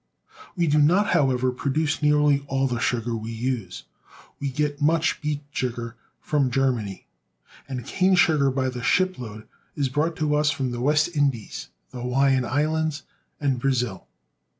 We do not, however, produce nearly all the sugar we use. We get much beet sugar from Ger many, and cane sugar by the shipload is brought to us from the West Indies, the Hawaiian Islands, and Brazil.